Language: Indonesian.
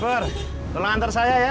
bur tolong antar saya ya